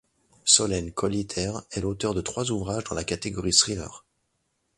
Solenn Colléter est l'auteur de trois ouvrages dans la catégorie Thrillers.